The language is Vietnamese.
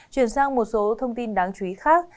chuyển sang một số thông tin đáng chú ý khác